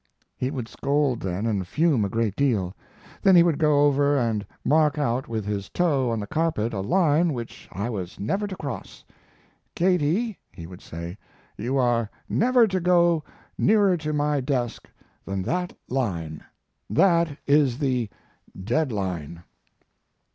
He would scold then, and fume a great deal. Then he would go over and mark out with his toe on the carpet a line which I was never to cross. "Katie," he would say, "you are never to go nearer to my desk than that line. That is the dead line."